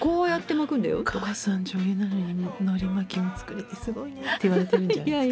「お母さん女優なのにのり巻きも作れてすごいね」って言われてるんじゃないですか？